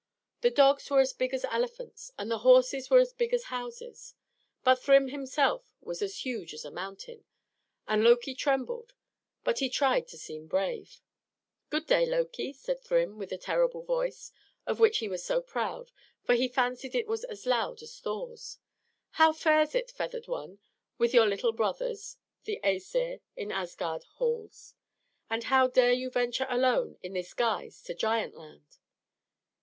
The dogs were as big as elephants, and the horses were as big as houses, but Thrym himself was as huge as a mountain; and Loki trembled, but he tried to seem brave. "Good day, Loki," said Thrym, with the terrible voice of which he was so proud, for he fancied it was as loud as Thor's. "How fares it, feathered one, with your little brothers, the Æsir, in Asgard halls? And how dare you venture alone in this guise to Giant Land?"